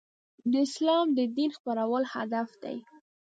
د اسلام د دین خپرول هدف دی.